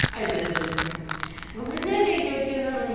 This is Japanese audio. ごめんね勉強中なのに。